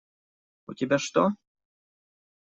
У тебя что?